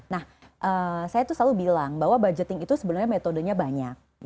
nah saya tuh selalu bilang bahwa budgeting itu sebenarnya metodenya banyak